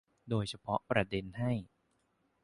โดยเฉพาะประเด็นให้